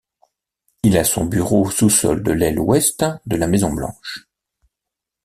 Il a son bureau au sous-sol de l'aile Ouest de la Maison-Blanche.